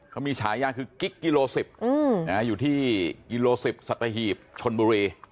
เขามีฉายาคือกิ๊กกิโล๑๐อยู่ที่กิโล๑๐สัตหีบชนบุรี